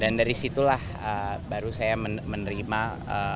dan dari situlah baru saya menerima pendidikan